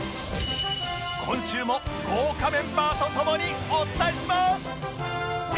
今週も豪華メンバーと共にお伝えします！